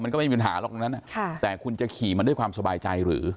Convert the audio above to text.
ก็ไม่มีปัญหาหรอกตรงนั้นแต่คุณจะขี่มาด้วยความสบายใจหรือ